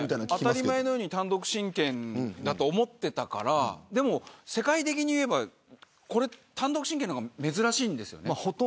当たり前のように単独親権だと思っていたから世界的に見れば単独親権の方が珍しいんですよね。